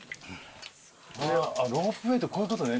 ロープウェイってこういうことね